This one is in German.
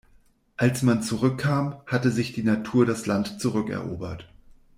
Als man zurückkam, hatte sich die Natur das Land zurückerobert.